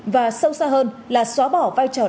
và sâu xa hơn là xóa bỏ vai trò lãnh đạo